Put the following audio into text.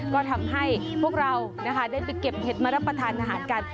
ก็ทำให้พวกเรานะคะได้ไปเก็บเห็ดมารับประทานอาหารกัน